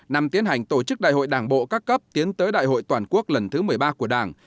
năm tiến hành tổ chức đại hội đảng bộ các cấp tiến tới đại hội toàn quốc lần thứ một mươi ba của đảng